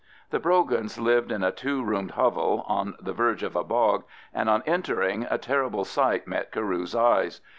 The Brogans lived in a two roomed hovel on the verge of a bog, and on entering a terrible sight met Carew's eyes.